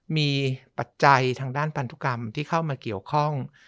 มีปัจจัยทางด้านพันธุกรรมที่เข้ามาเกี่ยวข้อง